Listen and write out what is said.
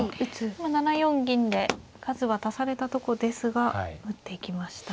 今７四銀で数は足されたとこですが打っていきました。